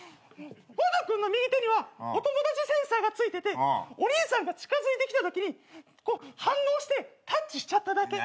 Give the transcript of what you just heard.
「ワンダ君の右手にはお友達センサーが付いててお兄さんが近づいてきたときに反応してタッチしちゃっただけ」